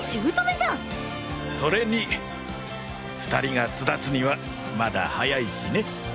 それに２人が巣立つにはまだ早いしね。